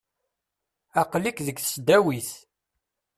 Aqqel-ik deg tesdawit.